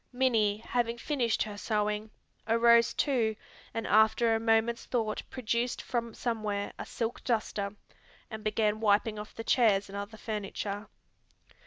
Minnie, having finished her sewing, arose too and after a moment's thought produced from somewhere a silk duster, and began wiping off the chairs and other furniture.